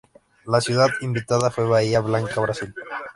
La ciudad invitada fue Bahía Blanca, Brasil.